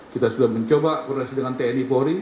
kita sudah mencoba koreksi dengan tni pohri